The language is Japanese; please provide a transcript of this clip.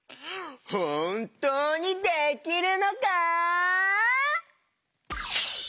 ほんとうにできるのか？